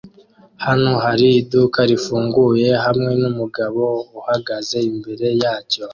Hano hari iduka rifunguye hamwe numugabo uhagaze imbere yacyo